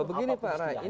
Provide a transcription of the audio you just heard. begini pak rai